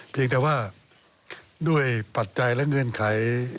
เพียงแต่ว่าด้วยปัจจัยและเงื่อนไข